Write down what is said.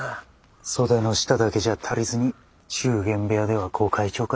袖の下だけじゃあ足りずに中間部屋ではご開帳か。